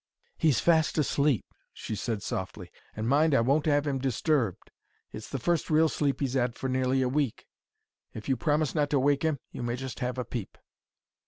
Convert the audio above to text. "He's fast asleep," she said, softly; "and mind, I won't 'ave him disturbed. It's the first real sleep he's 'ad for nearly a week. If you promise not to wake 'im you may just have a peep."